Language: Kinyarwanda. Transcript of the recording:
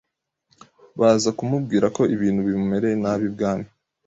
baza kumubwira ko ibintu bimumereye nabi ibwami.